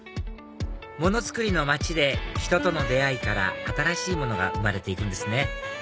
ものづくりの街で人との出会いから新しいものが生まれて行くんですね